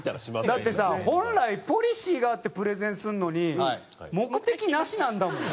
だってさ本来ポリシーがあってプレゼンするのに「目的なし」なんだもん。